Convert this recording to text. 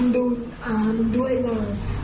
ดูอาหารด้วยเนอะ